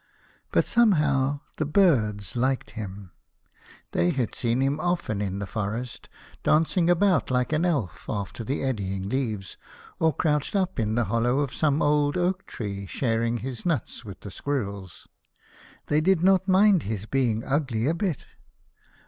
But somehow the Birds liked him. They had seen him often in the forest, dancing about like an elf after the eddying leaves, or crouched up in the hollow of some old oak tree, sharing his nuts with the squirrels. They did not mind his being ugly, a bit.